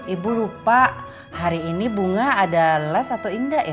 ibu lupa hari ini bunga ada les atau indah ya